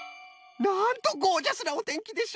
なんとゴージャスなおてんきでしょう！